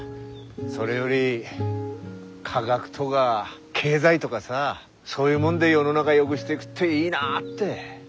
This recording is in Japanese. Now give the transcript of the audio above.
それより科学とか経済とかさそういうもんで世の中よぐしていぐっていいなって。